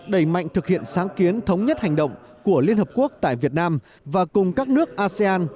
đẩy mạnh thực hiện sáng kiến thống nhất hành động của liên hợp quốc tại việt nam và cùng các nước asean